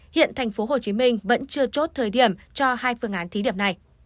hiện tp hcm vẫn chưa chốt thời điểm cho hai phương án thí điểm này